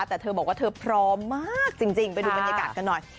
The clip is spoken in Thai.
แต่เธอบอกว่าเธอพร้อมมากจริงไปดูบรรยากาศกันหน่อย